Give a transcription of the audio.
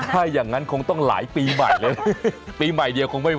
ถ้าอย่างนั้นคงต้องหลายปีใหม่เลยปีใหม่เดียวคงไม่พอ